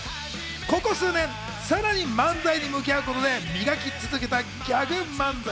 ここ数年、さらに漫才に向き合うことで磨き続けたギャグ漫才。